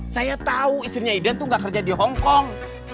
saya tahu istrinya idan itu nggak kerja di hongkong